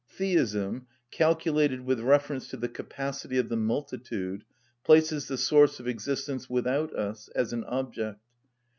Theism, calculated with reference to the capacity of the multitude, places the source of existence without us, as an object.